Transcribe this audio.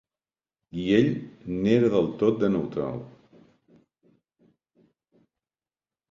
I ell n'era del tot de neutral